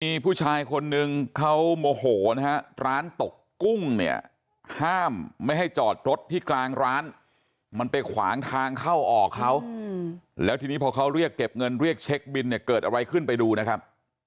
มีผู้ชายคนนึงเขาโมโหนะฮะร้านตกกุ้งเนี่ยห้ามไม่ให้จอดรถที่กลางร้านมันไปขวางทางเข้าออกเขาแล้วทีนี้พอเขาเรียกเก็บเงินเรียกเช็คบินเนี่ยเกิดอะไรขึ้นไปดูนะครับ